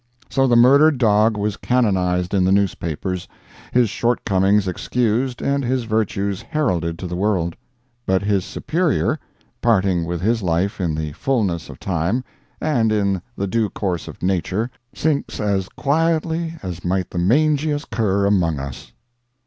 So the murdered dog was canonized in the newspapers, his shortcomings excused and his virtues heralded to the world; but his superior, parting with his life in the fullness of time, and in the due course of nature, sinks as quietly as might the mangiest cur among us.